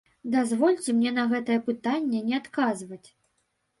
Дазвольце мне на гэтае пытанне не адказваць.